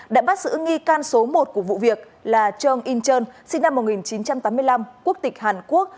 đã bắt giữ nghi can số một của vụ việc là trương yên trơn sinh năm một nghìn chín trăm tám mươi năm quốc tịch hàn quốc